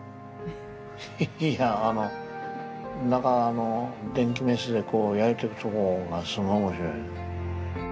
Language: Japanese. いやあの何かあの電気メスで焼いてるとこがすごい面白いね。